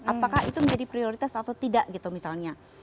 apakah itu menjadi prioritas atau tidak gitu misalnya